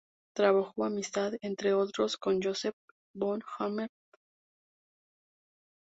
Trabó amistad, entre otros, con Joseph von Hammer-Purgstall y el archiduque Johann von Österreich.